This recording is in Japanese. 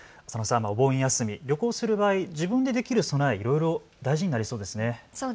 お盆休み、旅行する場合、自分でできる備え、いろいろ大事になりそうですね。